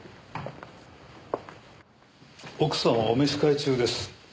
奥様はお召し替え中です。